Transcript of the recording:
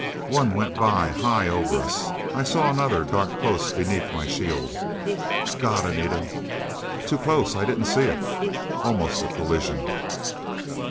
One went by, high over us. I saw another dart close beneath my shield. "God, Anita!" "Too close! I didn't see it." Almost a collision.